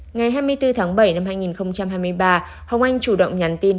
ngày hai mươi bốn tháng bảy năm hai nghìn hai mươi ba hồng anh chủ động nhắn tin